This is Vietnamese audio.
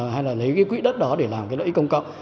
hay là lấy cái quỹ đất đó để làm cái lợi ích công cộng